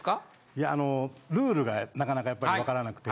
いやあのルールがなかなかやっぱりわからなくて。